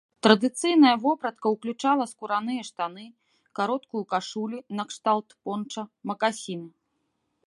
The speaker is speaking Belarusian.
Традыцыйная вопратка ўключала скураныя штаны, кароткую кашулі накшталт понча, макасіны.